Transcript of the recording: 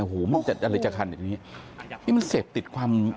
โอ้โหมันจัดอะไรจากคันอย่างนี้นี่มันเสพติดความ